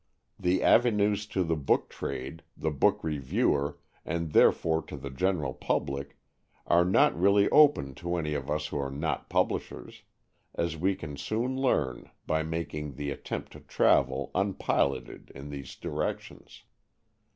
The avenues to the book trade, the book reviewer, and therefore to the general public, are not really open to any of us who are not publishers as we can soon learn by making the attempt to travel, unpiloted, in these directions.